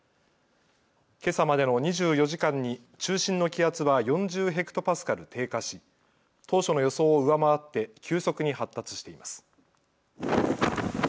けさまでの２４時間に中心の気圧は４０ヘクトパスカル低下し当初の予想を上回って急速に発達しています。